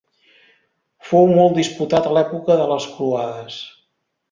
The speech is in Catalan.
Fou molt disputat a l'època de les croades.